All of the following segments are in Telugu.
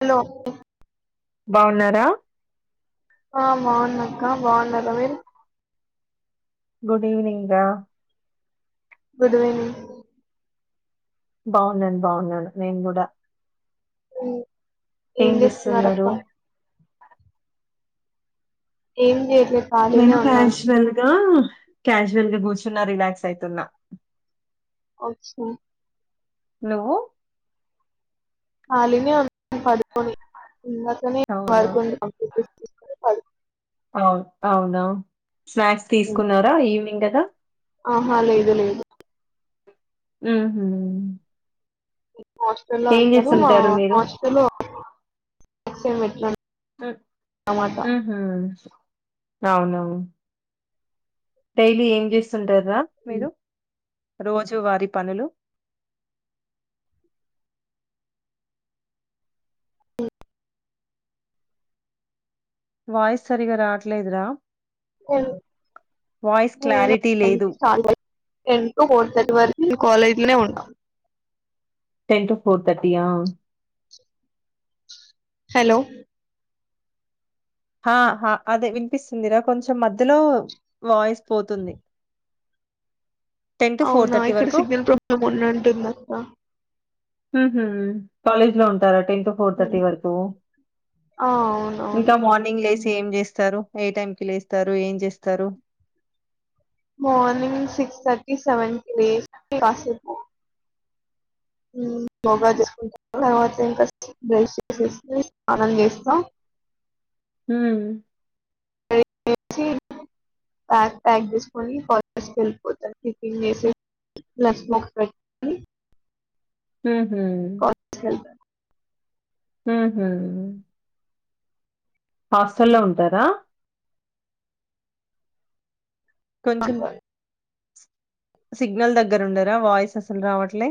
హలో బాగున్నారా ఆ బాగున్నక్క బాగున్న రవీర్ గుడ్ ఈవనింగ్కా గుడ్ ఈవినింగ్ బాగున్నాను బాగున్నాను నేను కూడా అఓ ఏం ఏడిస్ నక్క చేస్తున్నారు ఏం చే నేను కా్యాష్ వెన్గా క్యాజువల్ గా కూర్చున్నా రిలాక్స్ అయితుంద అచ్చా నువ్వు అాలని అం పదుకని ఇందకనే వ అవునా కొ కంప్లీకుని అవు అవునా స్నాక్స్ పడుకున్న తీసుకున్నారా ఈవినింగ్ రా ఆహా లేదు లేదు హు హ్మ్ హాస్టల్ల్లో అంటను మా మీరు హాస్టలు సెమ్మిట్రన్ మ్మ్ హు హ్మ్ అవునవును డైలీ ఏం చేస్తుంటార్ రా మీరు రోజువారి పనులు వాయిస్ సరిగ్గా రావట్లేదు రా క్లారిటీ లేదు చాలు టెన్ టు ఫోర్ థర్టీ వర్ నే కాలేజ్ లనే ఉంటా టెన్ టు ఫోర్ తర్టీయా హలో ఆ అదే వినిపిస్తుందిరా కొంచెం మధ్యలో వాయిస్ పోతుంది అవునా ఇక్కడ వరకు సిగ్నల్ ప్రాబ్లమ్ ఉన్నంటుంది అక్క ఊహూ కాలేజ్ లో ఉంటార ten to four um. Thirty వరకు ఆ అవునవును ఇంకా మార్నింగ్ లేచి ఏం చేస్తారు ఏ టైం కి లేస్తారు ఏం చేస్తారు మార్నింగ్ సిక్స్ థర్టీ సెవెన్ కి లేచి కాసేపు యోగా చేసుకుంటా తర్వాత ఇంకా బ్రష్ చేసేసి స్నానం చేస్తా హ్మ్ బ్యాగ్ ప్యాక్ తీసుకొని ఆఫీస్కీ వెళ్ళిపోతారు టిఫిన్ చేసి స్మాక్స్ పెట్ హ్మ్ [unintelligible] మ్మ్ హ్మ్ హాస్టల్ల్లో ఉంటారా కొంచం సిగ్నల్ దగ్గర ఉండరా వాయిస్ అసలు రావట్లే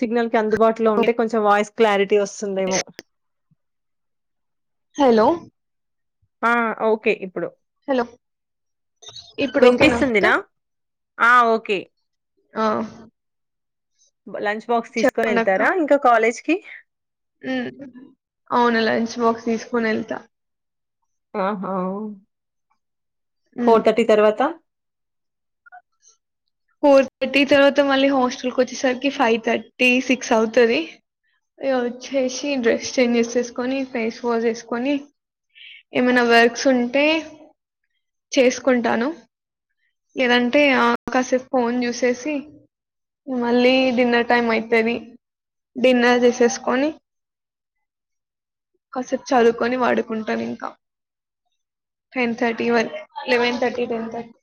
సిగ్నల్ కి అందుబాటులో ఉంటే కొంచెం వాయిస్ క్లారిటీ వస్తుందేమో హెలో ఆ ఓకే ఇప్పుడు హెలో ఇప్పుడు ఓకేనా అక్క వినిపిస్తుందినా? ఆ ఓకే ఆ బ లంచ్ బాక్స్ తీసుకొని వెళ్తారా ఇంకా కాలేజ్ కి ఉమ్ అవును లంచ్ బాక్స్ తీసుకొని వెళ్తా ఆహా ఫోర్ థర్టీ తర్వాత ఫోర్ థర్టీ తర్వాత మళ్ళీ హాస్టల్ కు వచ్చేసరికి ఫైవ్ థర్టీ సిక్స్ అవుతది. ఇగ వచ్చేసి డ్రెస్ చేంజ్ చేసేసుకొని ఫేస్ వాష్ చేసుకొని ఏమైనా వర్క్స్ ఉంటే చేసుకుంటాను లేదంటే ఆ కాసేపు ఫోన్ చూసేసి మళ్ళీ డిన్నర్ టైం అయితది, డిన్నర్ చేసేసుకొని కాసేపు చదువుకొని వడుకుంటాను ఇంకా, టెన్ థర్టీ వ లెవెన్ థర్టీ, టెన్ థర్టీ